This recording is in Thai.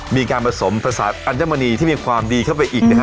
มีการผสมภาษาอัญมณีที่มีความดีเข้าไปอีกนะฮะ